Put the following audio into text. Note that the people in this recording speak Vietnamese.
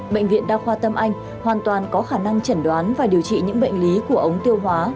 bệnh viện đa khoa tâm anh hoàn toàn có khả năng chẩn đoán và điều trị những bệnh lý của ống tiêu hóa